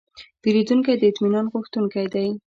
پیرودونکی د اطمینان غوښتونکی دی.